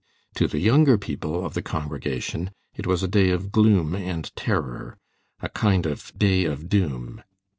To the younger people of the congregation it was a day of gloom and terror, a kind of day of doom.